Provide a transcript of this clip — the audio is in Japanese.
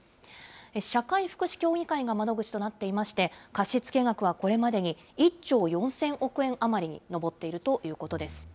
社会福祉協議会が窓口となっていまして、貸し付け額はこれまでに１兆４０００億円余りに上っているということです。